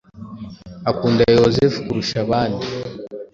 Ukunda Yosefu kurusha abandi?